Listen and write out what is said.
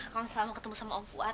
kalau misalnya mau ketemu sama om fuad